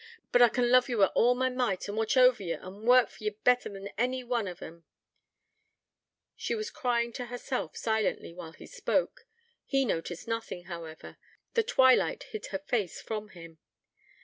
But I can love ye wi' all my might, an' watch over ye, and work for ye better than any one o' em ' She was crying to herself, silently, while he spoke. He noticed nothing, however: the twilight hid her face from him.